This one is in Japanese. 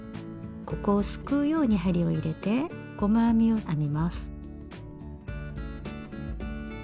ここをすくうように針を入れて細編みを編みます。